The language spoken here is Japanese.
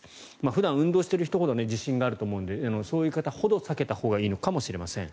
普段、運動している人ほど自信があると思うのでそういう方ほど避けたほうがいいのかもしれません。